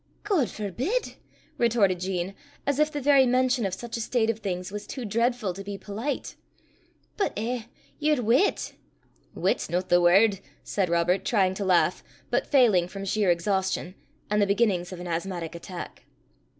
"God forbid!" retorted Jean, as if the very mention of such a state of things was too dreadful to be polite. " But, eh, ye're weet!" "Weet's no the word," said Robert, trying to laugh, but failing from sheer exhaustion, and the beginnings of an asthmatic attack.